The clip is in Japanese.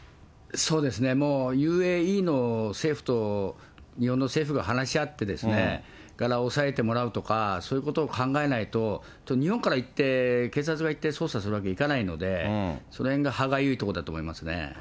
そうですね、ＵＡＥの政府と日本の政府が話し合って、がらをおさえてもらうとか、そういうことを考えないと、日本から行って、警察が行って捜査するわけにいかないので、そのへんが歯がゆいところだと思いますね。